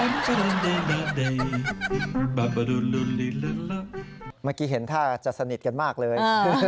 เมื่อกี้เห็นท่าจะสนิทกันมากเลย